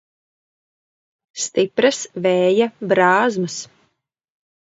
Stipras vēja brāzmas.